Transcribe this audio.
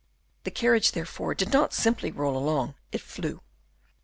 The carriage, therefore, did not simply roll along it flew.